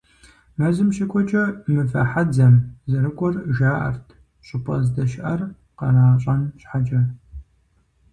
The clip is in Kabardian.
Мэзым щыкӀуэкӀэ, «Мывэ хьэдзэм» зэрыкӀуэр жаӀэрт, щӀыпӀэ здэщыӀэр къращӀэн щхьэкӀэ.